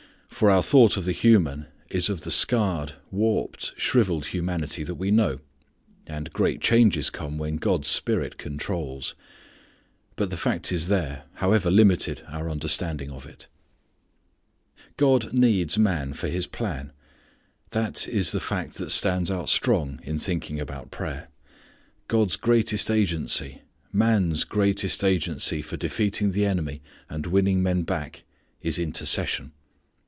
For our thought of the human is of the scarred, warped, shrivelled humanity that we know, and great changes come when God's Spirit controls. But the fact is there, however limited our understanding of it. God needs man for His plan. That is the fact that stands out strong in thinking about prayer. God's greatest agency; man's greatest agency, for defeating the enemy and winning men back is intercession.